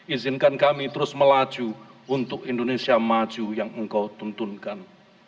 izinkan kami terus melaju untuk indonesia maju yang engkau tuntunkan